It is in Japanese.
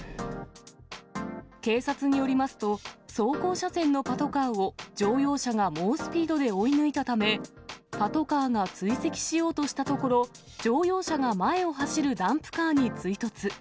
警察によりますと、走行車線のパトカーを乗用車が猛スピードで追い抜いたため、パトカーが追跡しようとしたところ、乗用車が前を走るダンプカーに追突。